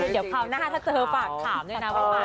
เดี๋ยวคราวหน้าถ้าเจอฝากถามด้วยนะว่า